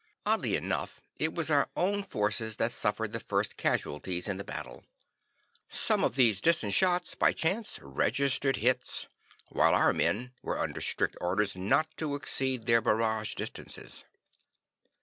Oddly enough it was our own forces that suffered the first casualties in the battle. Some of these distance shots by chance registered hits, while our men were under strict orders not to exceed their barrage distances.